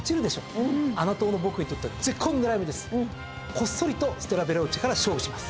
こっそりとステラヴェローチェから勝負します。